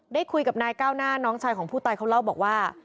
ได้คุยกับนายก้าวหน้าน้องชายของผู้ตายเขาเล่าบอกว่า